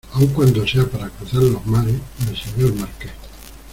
aun cuando sea para cruzar los mares, mi Señor Marqués.